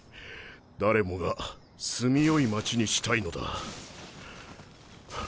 誰もが住みよい町にしたいのだ。